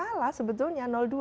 tapi kalau salah sebetulnya dua